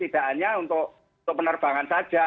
tidak hanya untuk penerbangan saja